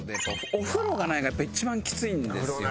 お風呂がないのがやっぱ一番きついんですよね。